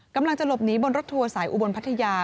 กำลังจะหลบหนีบนรถทัวร์สายอุบลพัทยา